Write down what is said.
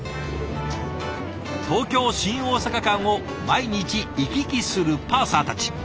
東京・新大阪間を毎日行き来するパーサーたち。